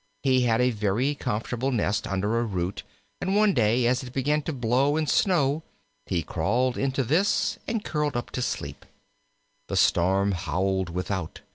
He had a very comfortable nest under a root, and one day, as it began to blow and snow, he crawled into this and curled up to sleep. The storm howled without.